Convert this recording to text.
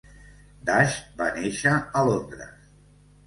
Dash va néixer a Londres.